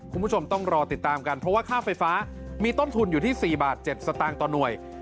คุณผู้ชมต้องรอติดตามกันเพราะว่าค่าไฟฟ้ามีต้นทุนอยู่ที่๔บาท๗สตางค์ต่อหน่วย